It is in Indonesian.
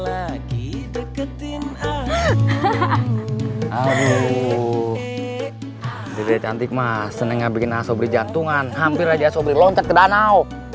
aduh cantik mas seneng ngabikin asobri jantungan hampir aja sobriloncat ke danau